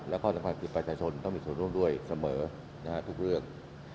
และข้อสำคัญคือประชาชนต้องมีส่วนร่วมด้วยเสมอทุกเรื่อง